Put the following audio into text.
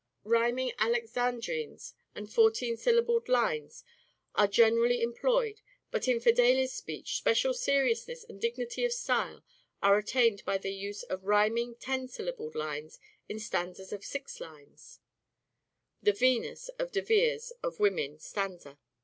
... Rhyming alexandrines and fourteen syllabled lines are generally employed, but in Fedele's speech, special seriousness and dignity of style are attained by the use of rhyming ten syllabled lines in stanzas of six lines (The " Venus " and De Vere's " Of Women" stanza)